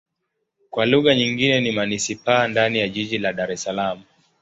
Kwa lugha nyingine ni manisipaa ndani ya jiji la Dar Es Salaam.